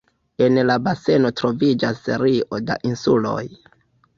En la baseno troviĝas serio da insuloj.